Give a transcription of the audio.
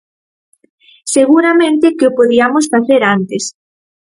Seguramente que o podiamos facer antes.